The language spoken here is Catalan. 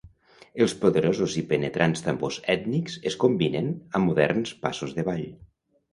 Els poderosos i penetrants tambors ètnics es combinen amb moderns passos de ball.